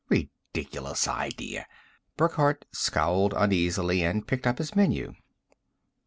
Ridiculous idea. Burckhardt scowled uneasily and picked up his menu.